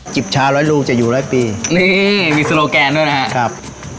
บชาร้อยลูกจะอยู่ร้อยปีนี่มีโซโลแกนด้วยนะครับ